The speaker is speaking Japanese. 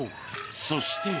そして。